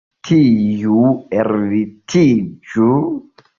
Tuj ellitiĝu!